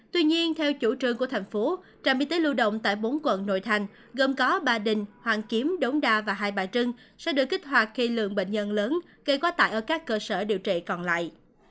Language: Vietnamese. tuy nhiên theo chủ trương của thành phố trạm y tế lưu động tại bốn quận nội thành gồm có ba đình hoàng kiếm đống đa và hai bà trưng sẽ được kích hoạt khi lượng bệnh nhân lớn gây quá tải ở các cơ sở điều trị còn lại